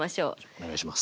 お願いします。